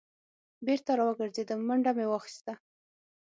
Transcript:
بېرته را وګرځېدم منډه مې واخیسته.